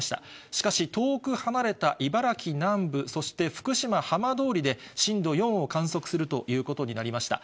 しかし、遠く離れた茨城南部、そして福島浜通りで、震度４を観測するということになりました。